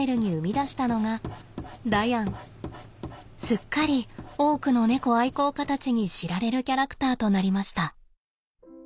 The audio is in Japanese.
すっかり多くの猫愛好家たちに知られるキャラクターとなりました。